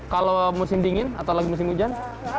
kalau musim dingin atau lagi musim hujan